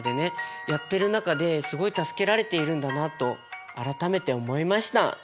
やってる中ですごい助けられているんだなと改めて思いました。